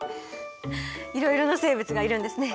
いろいろな生物がいるんですね。